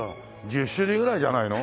１０種類ぐらいじゃないの。